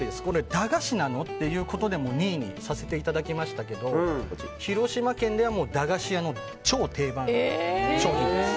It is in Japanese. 駄菓子なの？ということでも２位にさせていただきましたが広島県では駄菓子屋の超定番商品です。